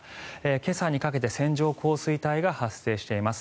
今朝にかけて線状降水帯が発生しています。